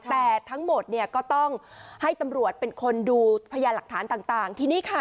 แต่ทั้งหมดเนี่ยก็ต้องให้ตำรวจเป็นคนดูพยานหลักฐานต่างทีนี้ค่ะ